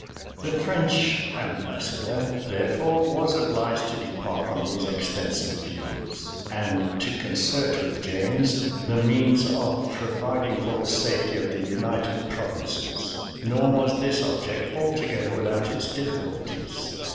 The French ambassador, therefore, was obliged to depart from these extensive views, and to concert with James the means of providing for the safety of the United Provinces: nor was this object altogether without its difficulties.